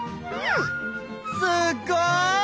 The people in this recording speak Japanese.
すごい！